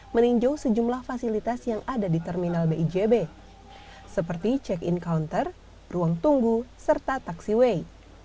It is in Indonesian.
meninjau sejumlah fasilitas yang ada di terminal bijb seperti check in counter ruang tunggu serta taksiway